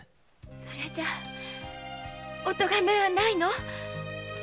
それじゃおとがめはないのうん！